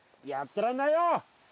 やってらんないよ。